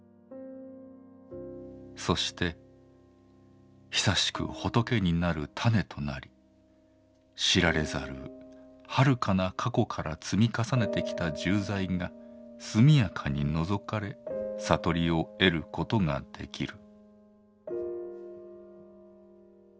「そして久しく仏になる種となり知られざるはるかな過去から積み重ねてきた重罪がすみやかに除かれ悟りを得ることができる」。